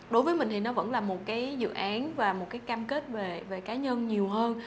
đối với mình thì nó vẫn là một cái dự án và một cái cam kết về cá nhân nhiều hơn